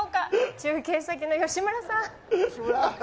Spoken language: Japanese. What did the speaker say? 中継先の吉村さん。